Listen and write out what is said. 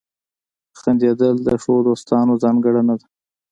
• خندېدل د ښو دوستانو ځانګړنه ده.